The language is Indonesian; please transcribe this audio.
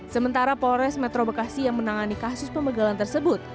sementara polres metro bekasi yang menangani kasus pemegalan tersebut